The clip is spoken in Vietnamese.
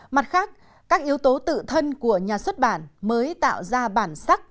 mặt khác các yếu tố tự thân của nhà xuất bản mới tạo ra bản sắc